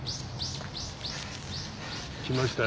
来ましたよ。